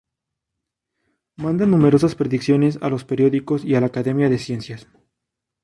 Manda numerosas predicciones a los periódicos y a la Academia de ciencias.